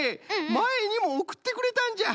まえにもおくってくれたんじゃ。